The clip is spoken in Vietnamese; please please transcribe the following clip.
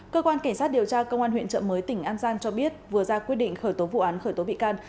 cơ quan cảnh sát điều tra công an huyện trợ mới tỉnh an giang cho biết vừa ra quyết định khởi tố vụ án khởi tố bị can